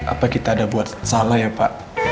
apa kita ada buat salah ya pak